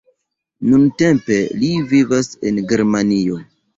Nuntempe li vivas en Germanio.